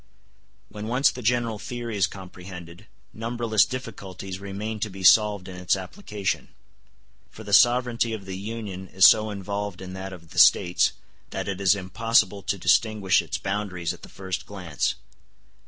When once the general theory is comprehended, numberless difficulties remain to be solved in its application; for the sovereignty of the Union is so involved in that of the States that it is impossible to distinguish its boundaries at the first glance.